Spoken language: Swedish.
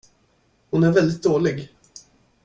Hon är väldigt dålig.